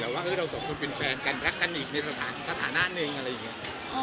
แต่ว่าเราสองคนเป็นแฟนกันรักกันอีกในสถานะหนึ่งอะไรอย่างนี้